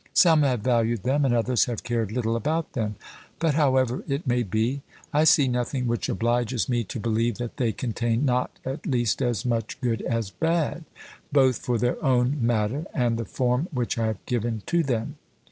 Some have valued them, and others have cared little about them; but however it may be, I see nothing which obliges me to believe that they contain not at least as much good as bad, both for their own matter and the form which I have given to them."